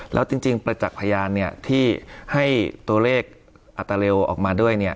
แล้วจริงจริงประจักษ์พยานเนี้ยที่ให้ตัวเลขอัตราเร็วออกมาด้วยเนี้ย